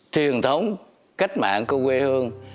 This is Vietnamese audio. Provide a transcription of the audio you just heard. truyền thống cách mạng của quê hương